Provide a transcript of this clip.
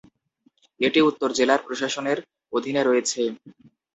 এটি উত্তর জেলার প্রশাসনের অধীনে রয়েছে।